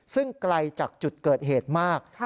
ซึ่งไกลจากจุดเกิดเหตุมาก